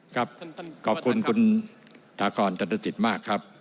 ครับขอบคุณคุณทากรตัดสินมากครับ